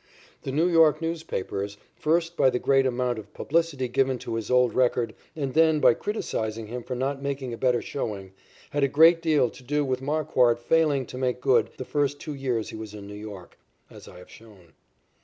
The New York newspapers, first by the great amount of publicity given to his old record, and then by criticising him for not making a better showing, had a great deal to do with Marquard failing to make good the first two years he was in New York, as I have shown.